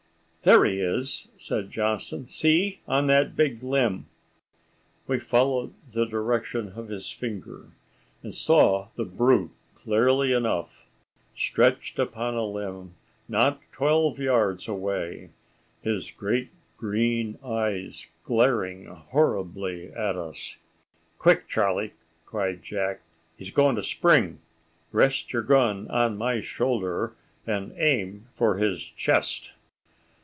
"There he is!" said Johnston. "See! on that big limb." We followed the direction of his finger, and saw the brute clearly enough, stretched upon a limb not twelve yards away, his great green eyes glaring horribly at us. "Quick, Charlie!" cried Jack. "He's going to spring. Rest your gun on my shoulder, and aim for his chest."